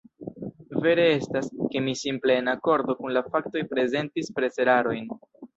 Vere estas, ke mi simple en akordo kun la faktoj prezentis preserarojn.